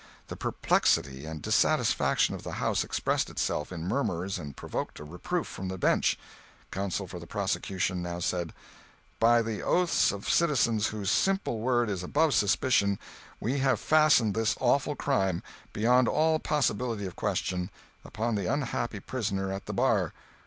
The perplexity and dissatisfaction of the house expressed itself in murmurs and provoked a reproof from the bench. Counsel for the prosecution now said: "By the oaths of citizens whose simple word is above suspicion, we have fastened this awful crime, beyond all possibility of question, upon the unhappy prisoner at the bar.